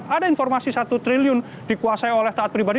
ada informasi satu triliun dikuasai oleh taat pribadi